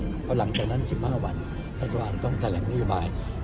เพราะหลังจากนั้น๑๕วันรัฐบาลต้องแถลงนโยบาย